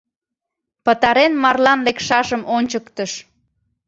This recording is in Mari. Пытарен марлан лекшашым ончыктыш.